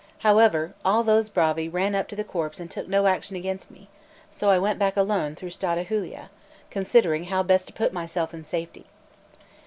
However, all those bravi ran up to the corpse and took no action against me; so I went back alone through Strada Giulia, considering how best to put myself in safety.